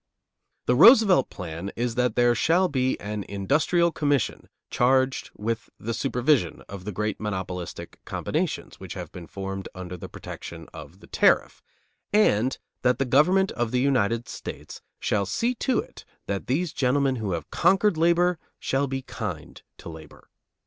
The Roosevelt plan is that there shall be an industrial commission charged with the supervision of the great monopolistic combinations which have been formed under the protection of the tariff, and that the government of the United States shall see to it that these gentlemen who have conquered labor shall be kind to labor.